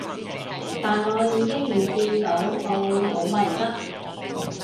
但我已經預見到我會好迷失